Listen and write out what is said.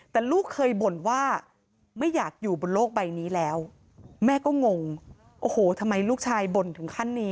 แต่ลูกเคยบ่นว่าไม่อยากอยู่บนโลกใบนี้แล้วแม่ก็งงโอ้โหทำไมลูกชายบ่นถึงขั้นนี้